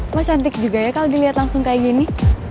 kok cantik juga ya kalau dilihat langsung kayak gini